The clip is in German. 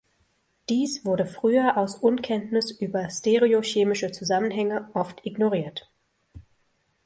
Dies wurde früher aus Unkenntnis über stereochemische Zusammenhänge oft ignoriert.